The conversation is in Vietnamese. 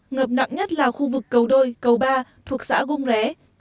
ngập nặng nhất là khu vực cầu đôi cầu ba thuộc xã gung ré